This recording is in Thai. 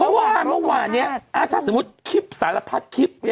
เมื่อวานเมื่อวานนี้ถ้าสมมุติคลิปสารพัดคลิป